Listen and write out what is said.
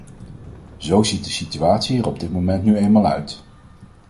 Zo ziet de situatie er op dit moment nu eenmaal uit.